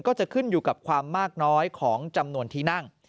ก็จะขึ้นอยู่กับความมากน้อยของจำนวนที่นั่ง